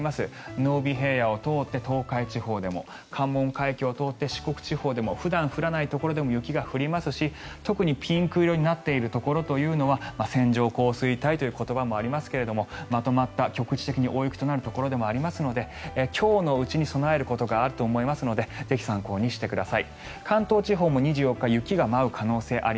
濃尾平野を通って東海地方でも関門海峡を通って四国地方でも普段降らないところでも雪が降りますし特にピンク色のところでは線状降水帯という言葉もありますが、まとまった局地的に大雪になるところでもありますので今日のうちに備えることがあると思いますのでぜひ参考にしてください。